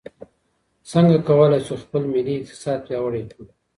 څنګه کولای سو خپل ملي اقتصاد پیاوړی کړو؟